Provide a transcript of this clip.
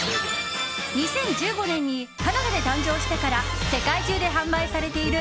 ２０１５年にカナダで誕生してから世界中で販売されている